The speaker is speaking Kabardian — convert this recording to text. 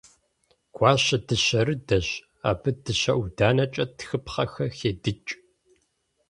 Гуащэ дыщэрыдэщ. Абы дыщэ ӏуданэкӏэ тхыпхъэхэр хедыкӏ.